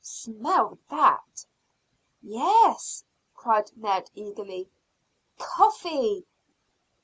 Smell that?" "Yes," cried Ned eagerly. "Coffee."